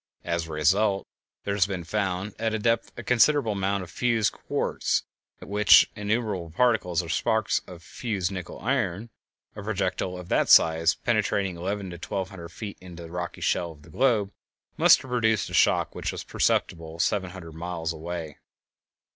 As a result there has been found at depth a considerable amount of fused quartz (original sandstone), and with it innumerable particles or sparks of fused nickel iron (original meteorite). A projectile of that size penetrating eleven to twelve hundred feet into the rocky shell of the globe must have produced a shock which was perceptible several hundred miles away.